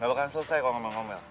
gak bakalan selesai kalau ngomel ngomel